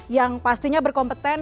yang pastinya berkompeten